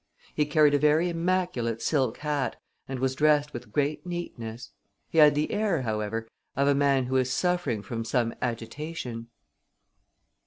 He carried a very immaculate silk hat and was dressed with great neatness. He had the air, however, of a man who is suffering from some agitation.